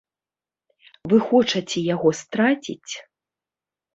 Вы хочаце яго страціць?